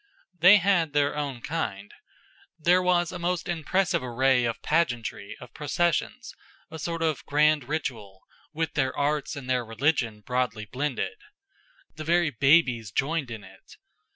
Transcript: They had their own kind. There was a most impressive array of pageantry, of processions, a sort of grand ritual, with their arts and their religion broadly blended. The very babies joined in it.